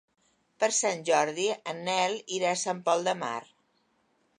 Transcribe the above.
Per Sant Jordi en Nel irà a Sant Pol de Mar.